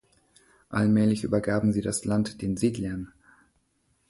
Allmählich übergaben sie das Land den Siedlern.